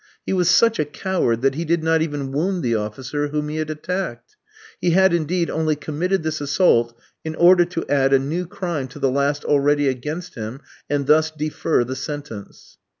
He was such a coward that he did not even wound the officer whom he had attacked. He had, indeed, only committed this assault in order to add a new crime to the last already against him, and thus defer the sentence.